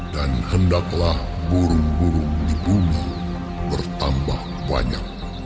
dan hendaklah burung burung di bumi bertambah banyak